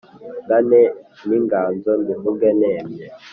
ngane n’inganzo mbivuge nemye,